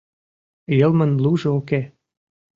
Йылмын лужо уке.